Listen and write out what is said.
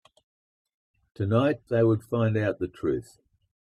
Tonight, they would find out the truth.